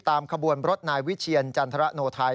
ขบวนรถนายวิเชียรจันทรโนไทย